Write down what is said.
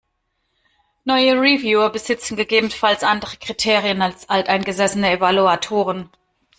Neue Reviewer besitzen ggf. andere Kriterien als alteingesessene Evaluatoren.